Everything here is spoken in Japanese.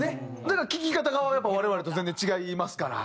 だから聴き方がやっぱり我々と全然違いますから。